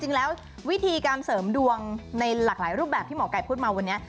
วิธีการเสริมดวงในหลากหลายรูปแบบที่หมอไก่พูดมาวันนี้